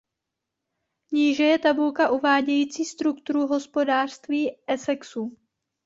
Níže je tabulka uvádějící strukturu hospodářství Essexu.